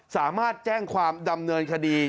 สามารถแจ้งความดำเนินคดี